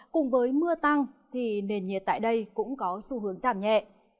cùng với mưa tăng thì nền nhiệt tại đây cũng có xu hướng giảm nhẹ